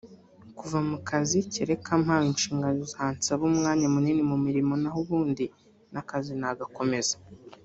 kuva mu kazi kereka mpawe inshingano zansaba umwanya munini mu murimo naho ubundi n’akazi nagakomeza